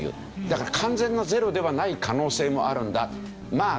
だから完全な０ではない可能性もあるんだまあ